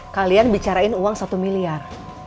kalian bicarain uang satu miliar